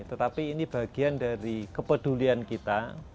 tetapi ini bagian dari kepedulian kita